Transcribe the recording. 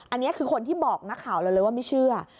อันนี้คือคนที่บอกนักข่าวเราเลยว่าไม่เชื่อ